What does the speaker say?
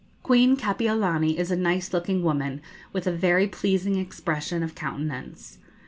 Queen Kapiolani is a nice looking woman, with a very pleasing expression of countenance.